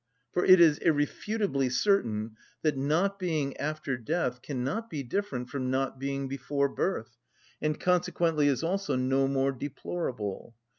For it is irrefutably certain that not being after death cannot be different from not being before birth, and consequently is also no more deplorable.